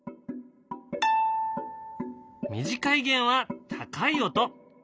短い弦は高い音。